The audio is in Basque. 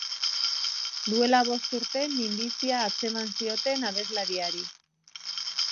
Duela bost urte minbizia atzeman zioten abeslariari.